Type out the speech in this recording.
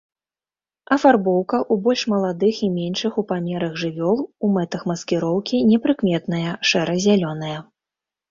Афарбоўка у больш маладых і меншых ў памерах жывёл у мэтах маскіроўкі непрыкметная, шэра-зялёная.